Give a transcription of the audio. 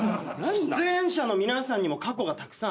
出演者の皆さんにも過去がたくさんあるから。